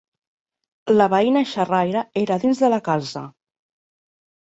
La veïna xerraire era dins de la casa.